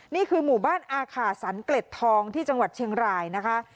นี่คือหมู่บ้านอาขาสันเกล็ดทองที่จังหวัดเชียงรายนะคะ